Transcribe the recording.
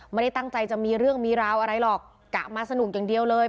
ไม่ได้ตั้งใจจะมีเรื่องมีราวอะไรหรอกกะมาสนุกอย่างเดียวเลย